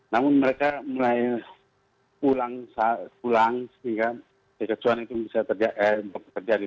namun mereka mulai pulang sehingga kekecuan itu bisa terjadi